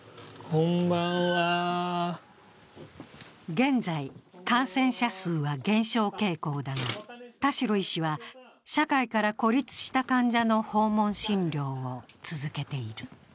現在、感染者数は減少傾向だが、田代医師は、社会から孤立した患者の訪問診療を続けている。